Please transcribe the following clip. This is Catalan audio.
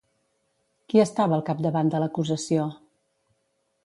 Qui estava al capdavant de l'acusació?